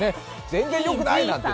全然よくない！なんて。